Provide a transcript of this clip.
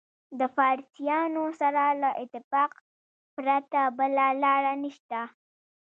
د فارسیانو سره له اتفاق پرته بله لاره نشته.